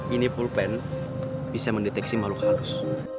ini pulpen bisa mendeteksi makhluk arus